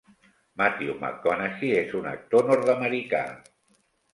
Matthew McConaughey és un actor nord-americà.